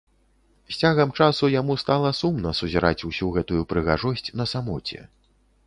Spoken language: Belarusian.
З цягам часу яму стала сумна сузіраць усю гэтую прыгажосць на самоце.